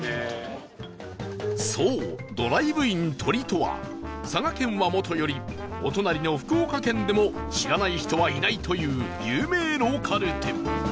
そう、ドライブイン鳥とは佐賀県はもとよりお隣の福岡県でも知らない人はいないという有名ローカル店